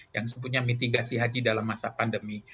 yang sebutnya mitigasi haji dalam masa pandemi